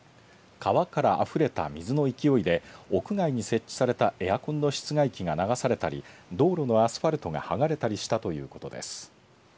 川からあふれた水の勢いで屋外に設置されたエアコンの室外機が流されたり道路のアスファルトがはがれたりしたということです。